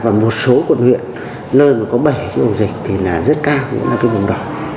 và một số quận huyện nơi mà có bảy cái ổ dịch thì là rất cao cũng là cái vùng đỏ